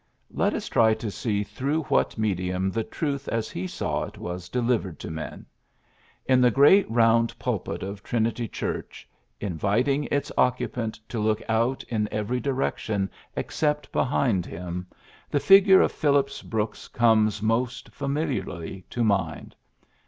Let us try to see through what medium the truth as he saw it was delivered to men. In the great round pulpit of Trinity Church, inviting its occupant to look out in every direction except behind him, the figure of Phillips Brooks comes most familiarly to mind.